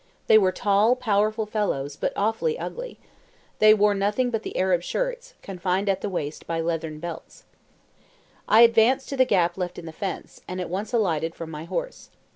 They were tall, powerful fellows, but awfully ugly. They wore nothing but the Arab shirts, confined at the waist by leathern belts. I advanced to the gap left in the fence, and at once alighted from my horse.